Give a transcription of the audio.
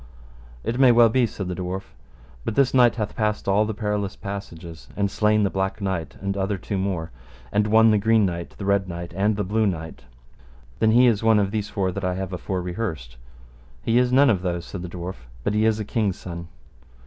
It may well be, said the dwarf, but this knight hath passed all the perilous passages, and slain the Black Knight and other two more, and won the Green Knight, the Red Knight, and the Blue Knight. Then is he one of these four that I have afore rehearsed. He is none of those, said the dwarf, but he is a king's son.